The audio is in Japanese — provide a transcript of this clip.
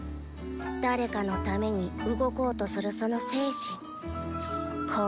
誰かのために動こうとするその精神行動力。